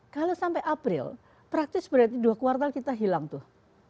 kalau sampai april praktis berarti dua kuartal kita hilang tuh